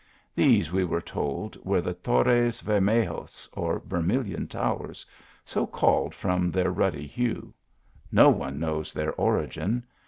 These, we were told, were the Torres Vermejos, or Vermilion ?o\vc .r3, so called from their ruddy hue. No one knows their origin.